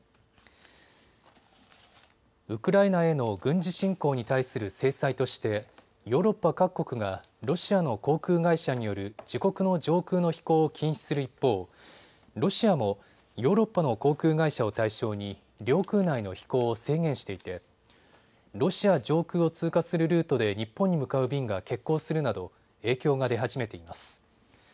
ウクライナへの軍事侵攻に対する制裁としてヨーロッパ各国がロシアの航空会社による自国の上空の飛行を禁止する一方、ロシアもヨーロッパの航空会社を対象に領空内の飛行を制限していてロシア上空を通過するルートで日本に向かう便が欠航するなど影響が出始めています。